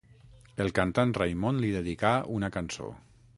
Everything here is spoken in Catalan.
El cantant Raimon li dedicà una cançó.